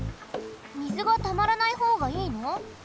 みずがたまらないほうがいいの？